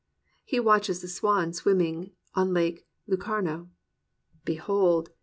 '* He watches the swan swimming on Lake Lucarno, — "Behold !